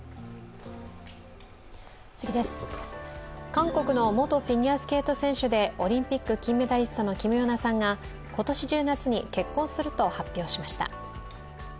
韓国の元フィギュアスケート選手でオリンピック金メダリストのキム・ヨナさんが今年１０月に結婚すると発表しました。